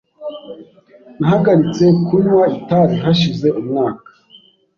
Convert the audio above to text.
Nahagaritse kunywa itabi hashize umwaka .